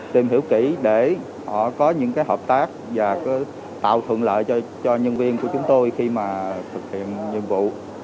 tìm hiểu kỹ để họ có những hợp tác và tạo thuận lợi cho nhân viên của chúng tôi khi mà thực hiện nhiệm vụ